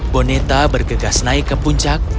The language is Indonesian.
boneta bergegas naik ke puncak